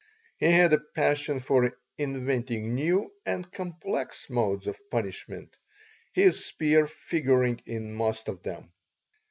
He had a passion for inventing new and complex modes of punishment, his spear figuring in most of them.